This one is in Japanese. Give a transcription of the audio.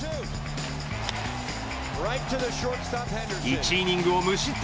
１イニングを無失点。